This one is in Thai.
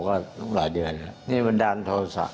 ก็หลายเดือนแล้วนี่วันด้านโทษศักดิ์